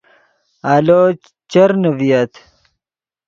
آلو چرنے ڤییت